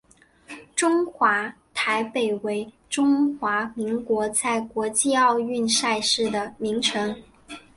中华台北为中华民国在国际奥运赛事的名称。